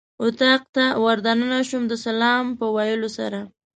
اتاق ته ور دننه شوم د سلام په ویلو سره.